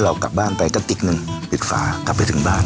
กลับบ้านไปก็ติ๊กหนึ่งปิดฝากับไปถึงบ้าน